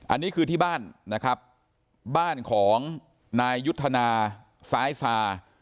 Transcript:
อันนี้คือที่บ้านนะครับบ้านของนายยุทธนาซ้ายซา